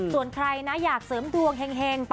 ส่วนใครนะอยากเสริมดวงเห็ง